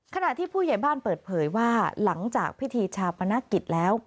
ขณะที่ผู้ใหญ่บ้านเปิดเผยว่าหลังจากพิธีชาปนกิจแล้ว